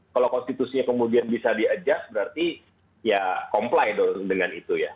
kalau konstitusinya kemudian bisa diadjust berarti ya comply dengan itu ya